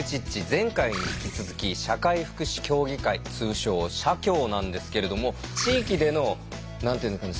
前回に引き続き社会福祉協議会通称社協なんですけれども地域での何て言うのかな